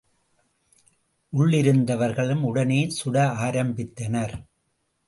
உள்ளிருந்தவர்களும் உடனே சுட ஆரம்பித்தனர்.